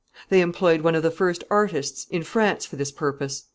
They employed one of the first artists in France for this purpose.